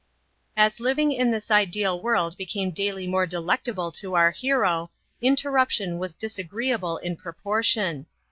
As living in this ideal world became daily more delectable to our hero, interruption was disagreeable in proportion.